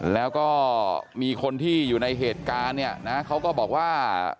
แล้วก็มีคนที่อยู่ในเหตุการณ์เนี่ยนะเขาก็บอกว่า